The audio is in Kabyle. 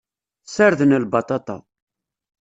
Ssarden lbaṭaṭa.